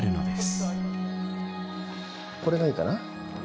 これがいいかな。